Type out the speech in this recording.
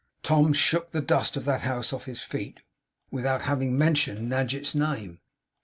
Tom shook the dust of that house off his feet, without having mentioned Nadgett's name.